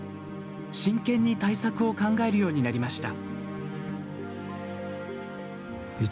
真剣に対策を考えるようになりました。